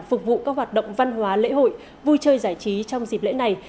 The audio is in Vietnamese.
phục vụ các hoạt động văn hóa lễ hội vui chơi giải trí trong dịp lễ này